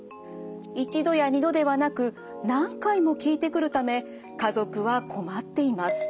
１度や２度ではなく何回も聞いてくるため家族は困っています。